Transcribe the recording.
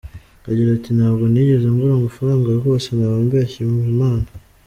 Agira ati "Ntabwo nigeze mbura amafaranga rwose, naba mbeshyeye Imana.